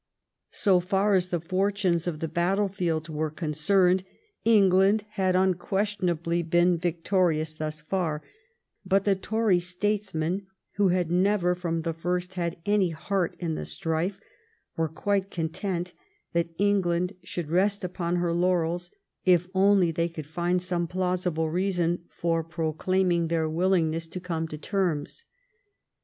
So far as the fortunes of the battlefields were concerned, England had un questionably been victorious thus far ; but the Tory 1710 DEATH OF THE EMPEKOR 43 statesmen, who had never from the first had any heart in the strife, were quite content that England should rest upon her laurels if only they could find some plausible reason for proclaiming their willingness to come to terms.